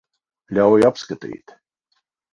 Ļauj apskatīt.